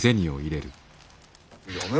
やめろ！